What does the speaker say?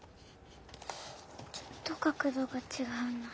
ちょっと角度がちがうな。